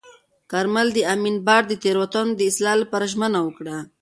کارمل د امین بانډ د تېروتنو د اصلاح لپاره ژمنه وکړه.